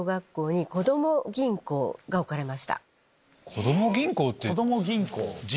こども銀行って。